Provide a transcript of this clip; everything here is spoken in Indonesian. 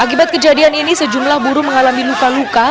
akibat kejadian ini sejumlah buruh mengalami luka luka